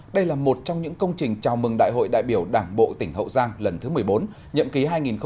đây là một trong những công trình chào mừng đại hội đại biểu đảng bộ tỉnh hậu giang lần thứ một mươi bốn nhậm ký hai nghìn hai mươi hai nghìn hai mươi năm